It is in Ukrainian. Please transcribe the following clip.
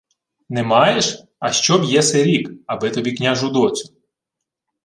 — Не маєш? А що б єси рік, аби тобі княжу доцю?